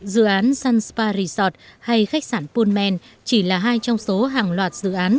dự án sun spa resort hay khách sản pullman chỉ là hai trong số hàng loạt dự án